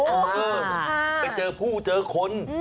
เออไปเจอผู้เจอคน